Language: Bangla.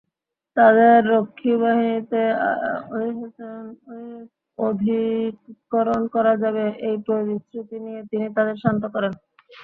তাঁদের রক্ষীবাহিনীতে আত্তীকরণ করা হবে—এই প্রতিশ্রুতি দিয়ে তিনি তাঁদের শান্ত করেন।